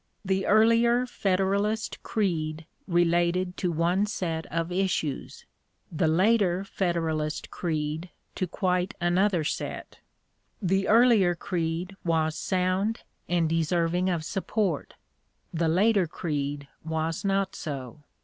The earlier Federalist creed related to one set of issues, the later Federalist creed to quite another set; the earlier creed was sound and deserving of support; the later creed was not so.